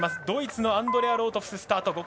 ドイツのアンドレア・ロートフスがスタート。